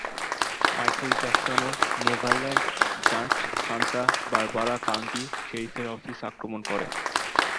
Michael জ্যাকসনের Neverland ranch Santa Barbara County শেরিফের office আক্রমণ করে।